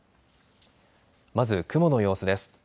まず雲の様子です。